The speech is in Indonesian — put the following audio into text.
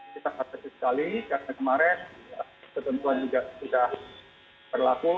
kita terbatas sekali karena kemarin ketentuan juga berlaku